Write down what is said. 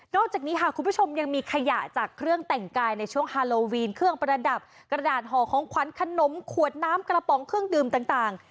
จากนี้ค่ะคุณผู้ชมยังมีขยะจากเครื่องแต่งกายในช่วงฮาโลวีนเครื่องประดับกระดาษห่อของขวัญขนมขวดน้ำกระป๋องเครื่องดื่มต่าง